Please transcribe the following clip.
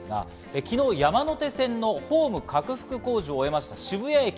昨日、山手線のホーム拡幅工事を終えた渋谷駅。